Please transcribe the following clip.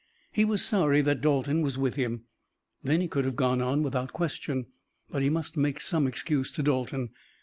He was sorry that Dalton was with him. Then he could have gone on without question, but he must make some excuse to Dalton.